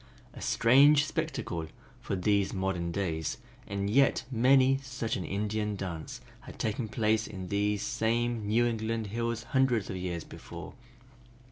A strange spectacle for these modern days, and yet many such an Indian dance had taken place in these same New England hills hundreds of years before!